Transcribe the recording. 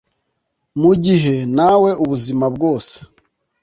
mu gihe nawe ubuzima bwose